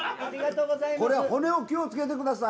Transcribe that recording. これは骨、気をつけてください。